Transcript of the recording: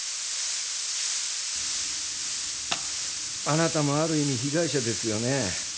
あなたもある意味被害者ですよね。